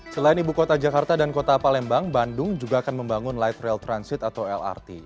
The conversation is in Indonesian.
selain ibu kota jakarta dan kota palembang bandung juga akan membangun light rail transit atau lrt